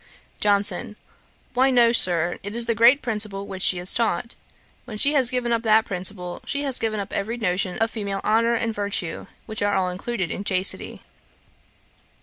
JOHNSON. 'Why, no, Sir; it is the great principle which she is taught. When she has given up that principle, she has given up every notion of female honour and virtue, which are all included in chastity.'